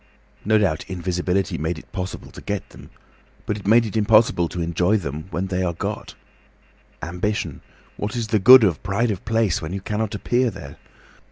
No doubt invisibility made it possible to get them, but it made it impossible to enjoy them when they are got. Ambition—what is the good of pride of place when you cannot appear there?